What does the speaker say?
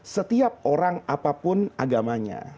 setiap orang apapun agamanya